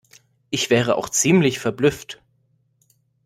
Ich wäre auch ziemlich verblüfft.